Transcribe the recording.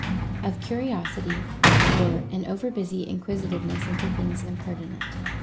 OP CURIOSITY, OR AN OVER BUSY INQUISITIVENESS INTO THINGS IMPERTINENT. 1.